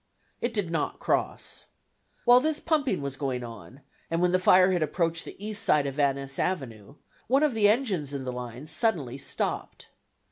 It did not cross. While this pumping was going on, and when the fire had approached the east side of Van Ness Avenue, one of the engines in the line suddenly stopped.